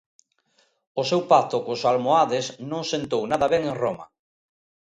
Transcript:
O seu pacto cos almohades non sentou nada ben en Roma.